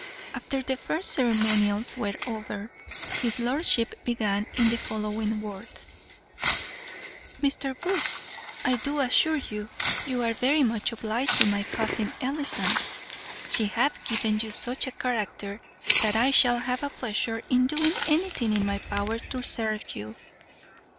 After the first ceremonials were over, his lordship began in the following words: "Mr. Booth, I do assure you, you are very much obliged to my cousin Ellison. She hath given you such a character, that I shall have a pleasure in doing anything in my power to serve you.